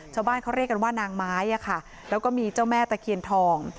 ชาวบ้านเขาเรียกกันว่านางไม้แล้วก็มีเจ้าแม่ตะเคียนทอง